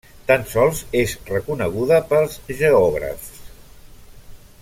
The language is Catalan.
Tan sols és reconeguda pels geògrafs.